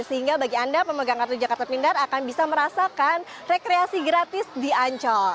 sehingga bagi anda pemegang kartu jakarta pintar akan bisa merasakan rekreasi gratis di ancol